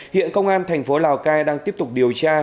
hiện công an thành phố lào cai đang tiếp tục điều tra